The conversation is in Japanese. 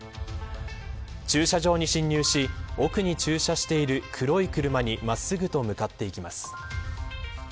駐車場に進入し奥に駐車してある黒い車に真っすぐと向かっていきます。